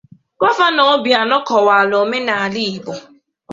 Gọvanọ Obianọ kọwàrà omenala Igbo